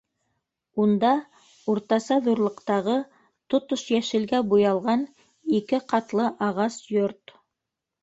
Унда - уртаса ҙурлыҡтағы тотош йәшелгә буялған ике ҡатлы ағас йорт.